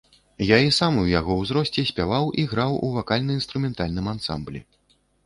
Я і сам у яго ўзросце спяваў і граў у вакальна-інструментальным ансамблі.